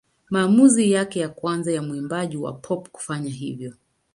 Maamuzi yake ya kwanza ya mwimbaji wa pop kufanya hivyo.